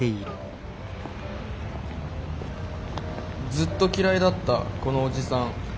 「ずっと嫌いだったこのおじさん」。